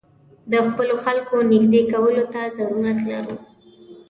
د خپلو خلکو نېږدې کولو ته ضرورت لرو.